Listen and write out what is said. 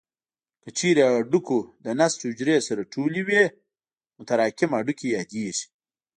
که چیرې هډوکو د نسج حجرې سره ټولې وي متراکم هډوکي یادېږي.